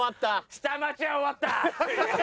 下町は終わった。